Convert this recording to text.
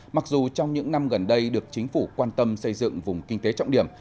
mặc dù trong những năm gần đây được chính phủ quan tâm xây dựng vùng kinh tế trọng điểm